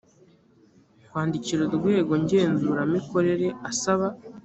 kwandikira urwego ngenzuramikorere asaba